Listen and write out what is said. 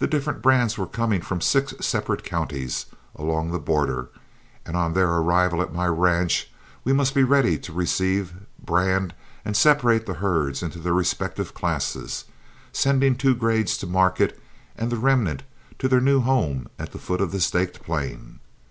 The different brands were coming from six separate counties along the border, and on their arrival at my ranch we must be ready to receive, brand, and separate the herds into their respective classes, sending two grades to market and the remnant to their new home at the foot of the Staked Plain.